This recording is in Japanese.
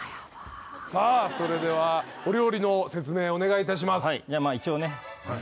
さあそれではお料理の説明お願いいたします。